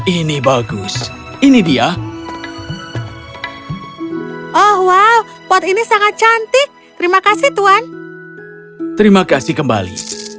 ini bagus ini dia oh wow pot ini sangat cantik terima kasih tuan terima kasih kembali